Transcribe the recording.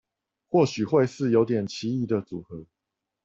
或許會是有點奇異的組合